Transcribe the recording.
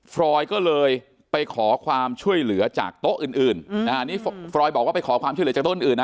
ฟรอยก็เลยไปขอความช่วยเหลือจากโต๊ะอื่นอันนี้ฟรอยบอกว่าไปขอความช่วยเหลือจากต้นอื่นนะ